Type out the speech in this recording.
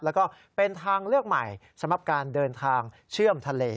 แล้วก็เป็นทางเลือกใหม่สำหรับการเดินทางเชื่อมทะเล